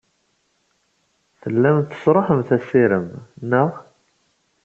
Tellamt tesṛuḥemt assirem, naɣ?